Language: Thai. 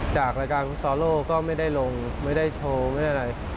จากรายการฟุตซอโลก็ไม่ได้ลงไม่ได้โชว์ไม่ได้อะไร